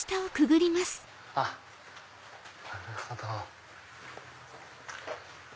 あっなるほど。